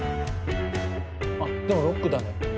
あっでもロックだね。